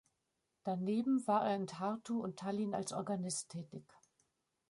Daneben war er in Tartu und Tallinn als Organist tätig.